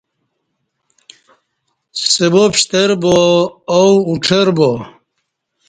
سوا پشتربا آو اُڄر با